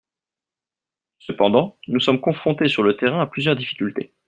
Cependant, nous sommes confrontés sur le terrain à plusieurs difficultés.